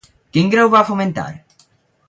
Quin grau va fomentar?